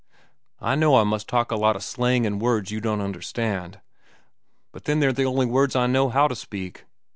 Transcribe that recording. "I know I must talk a lot of slang an' words you don't understand. But then they're the only words I know—how to speak.